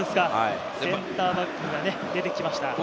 センターバックが出てきました。